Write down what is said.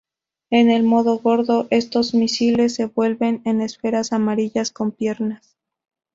En el modo gordo, estos misiles se vuelven en esferas amarillas con piernas.